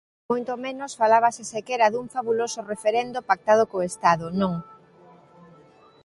Moito menos falábase sequera dun fabuloso referendo pactado co Estado, non.